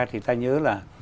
thì ta nhớ là